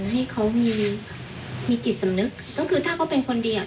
ให้เขามีมีจิตสำนึกก็คือถ้าเขาเป็นคนดีอ่ะ